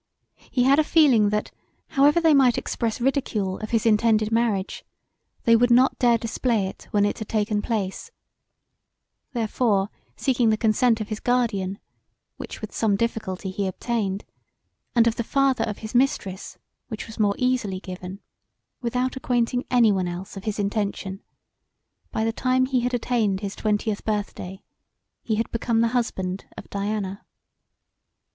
He had a feeling that however they might express ridicule of his intended marriage they would not dare display it when it had taken place; therefore seeking the consent of his guardian which with some difficulty he obtained, and of the father of his mistress which was more easily given, without acquainting any one else of his intention, by the time he had attained his twentieth birthday he had become the husband of Diana.